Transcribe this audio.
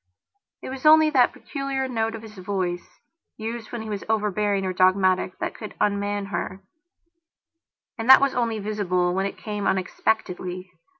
It was only that peculiar note of his voice, used when he was overbearing or dogmatic, that could unman herand that was only visible when it came unexpectedly.